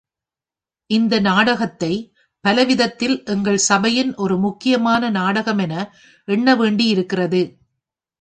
இந்த நாடகத்தைப் பலவிதத்தில் எங்கள் சபையின் ஒரு முக்கியமான நாடகமென எண்ண வேண்டியிருக்கிறது.